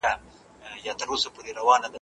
پر جناره درته درځم جانانه هېر مي نه کې ,